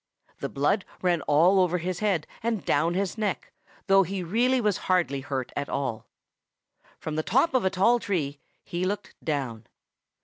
The blood ran all over his head and down his neck, though he really was hardly hurt at all. From the top of a tall tree he looked down.